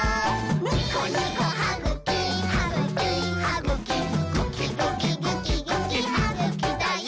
「ニコニコはぐきはぐきはぐきぐきぐきぐきぐきはぐきだよ！」